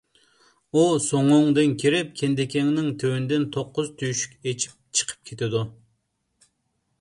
ئۇ سوڭۇڭدىن كىرىپ، كىندىكىڭنىڭ تۆۋىنىدىن توققۇز تۆشۈك ئېچىپ چىقىپ كېتىدۇ.